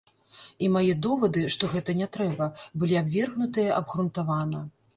І мае довады, што гэта не трэба, былі абвергнутыя абгрунтавана.